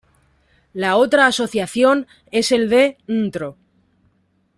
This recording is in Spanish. La otra Asociación es el de Ntro.